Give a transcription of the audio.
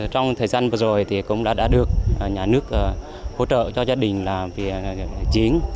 trong thời gian vừa rồi thì cũng đã được nhà nước hỗ trợ cho gia đình làm việc chiến